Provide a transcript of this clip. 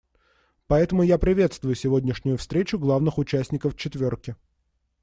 Поэтому я приветствую сегодняшнюю встречу главных участников «четверки».